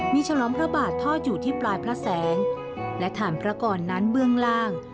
มีฉลองพระบาททอดอยู่ที่ปลายพระแสงและฐานพระกรนั้นเบื้องล่าง